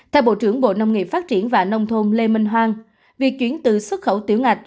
theo bộ trưởng bộ nông nghiệp phát triển và nông thôn lê minh hoàng việc chuyển từ xuất khẩu tiểu ngạch